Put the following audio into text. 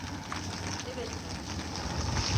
Evet baba.